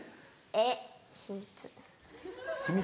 えっ秘密。